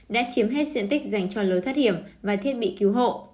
đã chiếm hết diện tích dành cho lối thoát hiểm và thiết bị cứu hộ